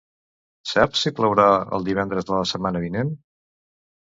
Saps si plourà el divendres de la setmana vinent?